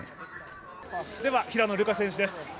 では、平野流佳選手です。